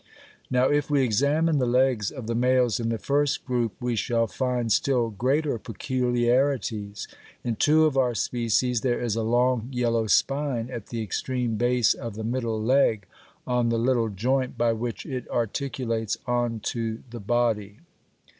Now if we examine the legs of the males in the first group we shall find still greater peculiarities; in two of our species there is a long yellow spine at the extreme base of the middle leg on the little joint by which it articulates on to the body (fig.